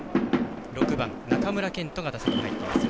６番、中村健人が打席に入っています。